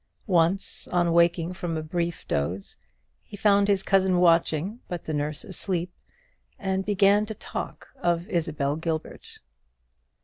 Once, on waking from a brief doze, he found his cousin watching, but the nurse asleep, and began to talk of Isabel Gilbert.